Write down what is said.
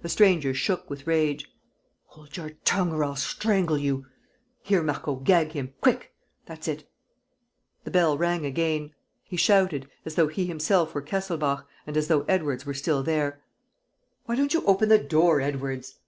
The stranger shook with rage: "Hold your tongue, or I'll strangle you! Here, Marco, gag him! Quick! ... That's it!" The bell rang again. He shouted, as though he himself were Kesselbach and as though Edwards were still there: "Why don't you open the door, Edwards?"